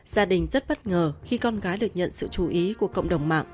gia đình rất bất ngờ khi con gái được nhận sự chú ý của cộng đồng mạng